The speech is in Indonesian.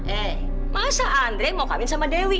eh masa andre mau kawin sama dewi